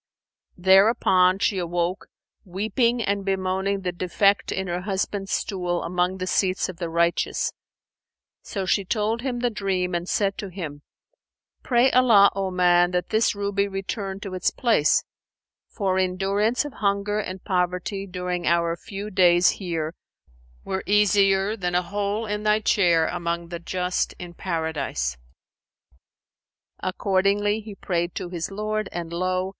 Thereupon she awoke, weeping and bemoaning the defect in her husband's stool among the seats of the Righteous; so she told him the dream and said to him, "Pray Allah, O man, that this ruby return to its place; for endurance of hunger and poverty during our few days here were easier than a hole in thy chair among the just in Paradise."[FN#479] Accordingly, he prayed to his Lord, and lo!